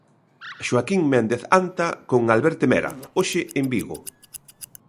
Xoaquín Méndez Anta, con Alberte Mera, hoxe en Vigo.